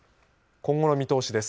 今後の見通しです。